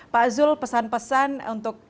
pak zul pesan pesan untuk